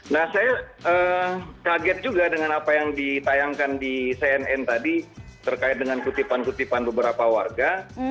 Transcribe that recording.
nah saya kaget juga dengan apa yang ditayangkan di cnn tadi terkait dengan kutipan kutipan beberapa warga